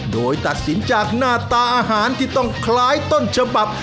โดยตัดสินจากหน้าตาอาหารที่ต้องคล้ายต้นฉบับ